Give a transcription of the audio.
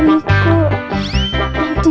nanti ini gak kekas